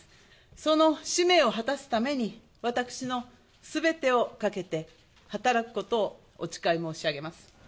その使命を果たすために、私のすべてをかけて働くことをお誓い申し上げます。